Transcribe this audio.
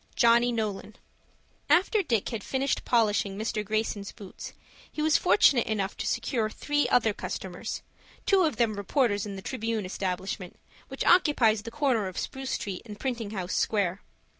JOHNNY NOLAN After Dick had finished polishing Mr. Greyson's boots he was fortunate enough to secure three other customers, two of them reporters in the Tribune establishment, which occupies the corner of Spruce Street and Printing House Square.